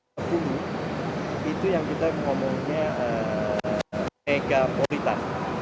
diprediksikan dua ribu tiga puluh itu yang kita ngomongnya megapolitan